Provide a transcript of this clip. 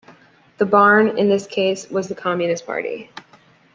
The barn in this case was the Communist Party.